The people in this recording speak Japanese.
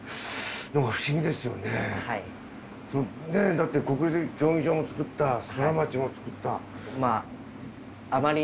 だって国立競技場も造ったソラマチも造った。